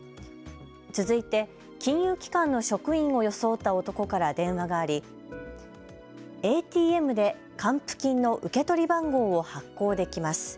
続いて金融機関の職員を装った男から電話がありＡＴＭで還付金の受け取り番号を発行できます。